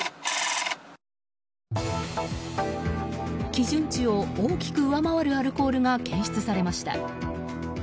基準値を大きく上回るアルコールが検出されました。